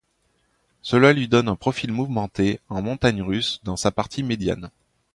Cela lui donne un profil mouvementé, en montagnes russes, dans sa partie médiane.